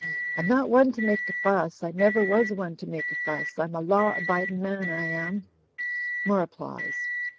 "I'm not one to make a fuss. I never was one to make a fuss. I'm a law abidin' man, I am. (More applause.)